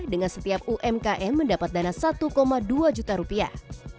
dengan setiap umkm mendapat dana satu dua juta rupiah